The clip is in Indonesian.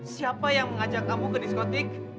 siapa yang mengajak kamu ke diskotik